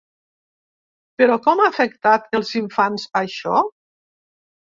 Però com ha afectat els infants, això?